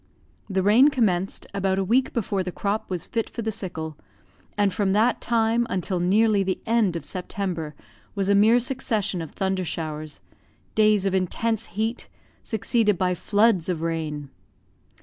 The rain commenced about a week before the crop was fit for the sickle, and from that time until nearly the end of September was a mere succession of thunder showers; days of intense heat, succeeded by floods of rain.